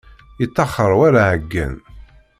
Yettaxer war aɛeyyen.